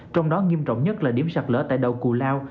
trong đó nghiêm trọng nhất là điểm sạt lở tại đầu cù lao